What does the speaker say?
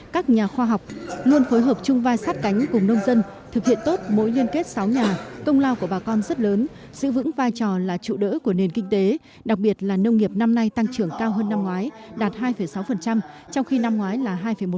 các nhà khoa học luôn phối hợp chung vai sát cánh cùng nông dân thực hiện tốt mỗi liên kết sáu nhà công lao của bà con rất lớn giữ vững vai trò là trụ đỡ của nền kinh tế đặc biệt là nông nghiệp năm nay tăng trưởng cao hơn năm ngoái đạt hai sáu trong khi năm ngoái là hai một